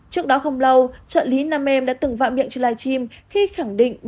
trước đó không lâu trợ lý nam em đã từng vạm miệng trên live stream khi khẳng định